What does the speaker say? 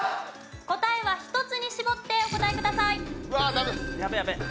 答えは１つに絞ってお答えください。